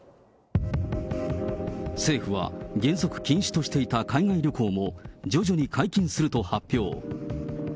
政府は原則禁止としていた海外旅行も、徐々に解禁すると発表。